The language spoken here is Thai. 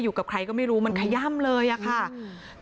อยู่กับใครก็ไม่รู้มันขย่ำเลยอะค่ะ